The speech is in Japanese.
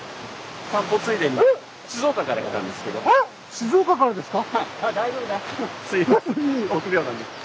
静岡からですか？